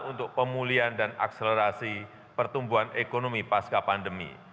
untuk pemulihan dan akselerasi pertumbuhan ekonomi pasca pandemi